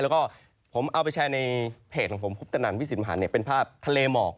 แล้วก็ผมเอาไปแชร์ในเพจของผมพุทธนันวิสินหันเป็นภาพทะเลหมอก